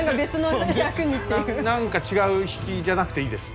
何か違う比企じゃなくていいです。